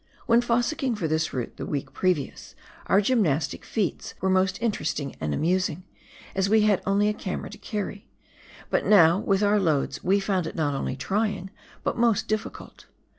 When '* fossicking " for this route the week previous, our gymnastic feats were most interesting and amusing, as we had only a camera to carry ; but now with our loads we found it not only trying, but most difficult.